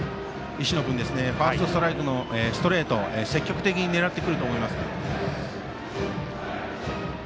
石野君ファーストストライクのストレートを積極的に狙ってくると思います。